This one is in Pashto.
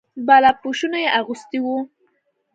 بالاپوشونه یې اغوستي وو.